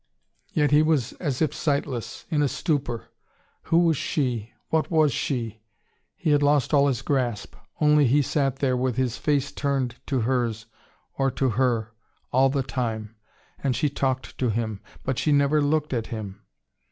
Yet he was as if sightless, in a stupor. Who was she, what was she? He had lost all his grasp. Only he sat there, with his face turned to hers, or to her, all the time. And she talked to him. But she never looked at him.